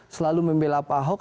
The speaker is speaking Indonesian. selalu membela pak hock